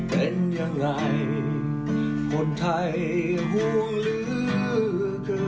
เป็นยังไงคนไทยห่วงเหลือเกิน